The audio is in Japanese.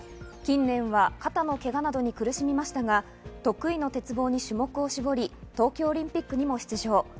近年は肩のけがなどに苦しみましたが、得意の鉄棒に種目を絞り、東京オリンピックにも出場。